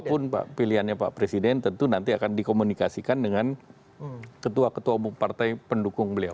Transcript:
apapun pilihannya pak presiden tentu nanti akan dikomunikasikan dengan ketua ketua umum partai pendukung beliau